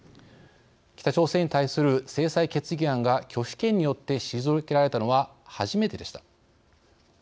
北朝鮮に対する制裁決議案が拒否権によって退けられたのは初めてでした。